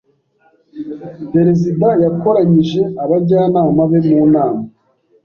Perezida yakoranyije abajyanama be mu nama.